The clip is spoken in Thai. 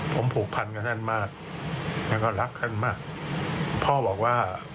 ผมผูกพันกับท่านมากแล้วก็รักท่านมากพ่อบอกว่า